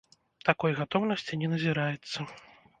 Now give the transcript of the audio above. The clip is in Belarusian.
Такой гатоўнасці не назіраецца.